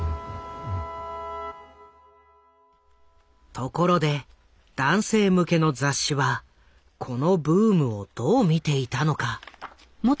ところで男性向けの雑誌はこのブームをどう見ていたのか？